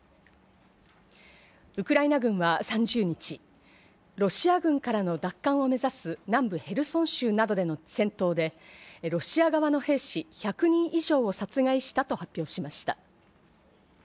ウクライナ軍は３０日、ロシア軍からの奪還を目指す南部ヘルソン州などでの戦闘で、ロシア側の兵士１００人以上を殺害したと発表しました。